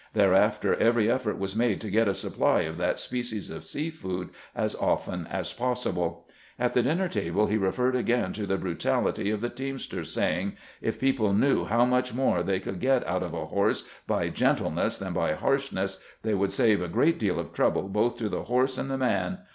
Thereafter every effort was made to get a supply of that species of sea food as often as possible. At the dinner table he referred again to the brutality of the teamster, saying :" If people knew how much more they could get out of a horse by gentleness than by harshness, they would save a great deal of trouble both to the horse and the man.